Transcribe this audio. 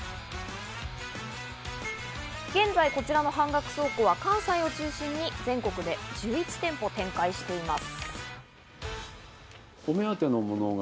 現在、こちらの半額倉庫は関西を中心に全国で１１店舗展開しています。